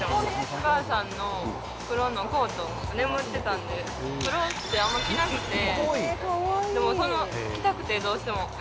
お母さんの黒のコート、眠ってたんで、黒ってあんまり着なくて、でもその、着たくて、どうしても。